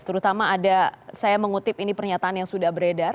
terutama ada saya mengutip ini pernyataan yang sudah beredar